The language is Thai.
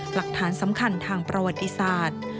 หลักฐานสำคัญทางประวัติศาสตร์